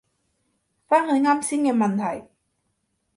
返去啱先嘅問題